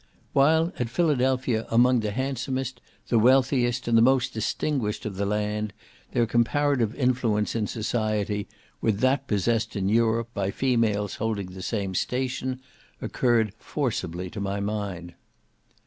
While, at Philadelphia, among the handsomest, the wealthiest, and the most distinguished of the land, their comparative influence in society, with that possessed in Europe by females holding the same station, occurred forcibly to my mind.